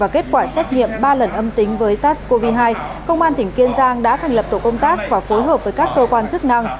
kết quả xét nghiệm ba lần âm tính với sars cov hai công an tỉnh kiên giang đã thành lập tổ công tác và phối hợp với các cơ quan chức năng